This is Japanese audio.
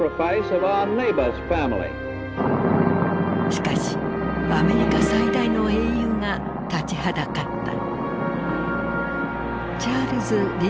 しかしアメリカ最大の英雄が立ちはだかった。